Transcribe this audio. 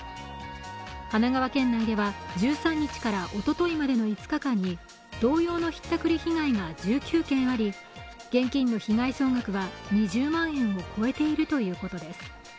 神奈川県内では１３日からおとといまでの５日間に同様のひったくり被害が１９件あり、現金の被害総額は２０万円を超えているということです。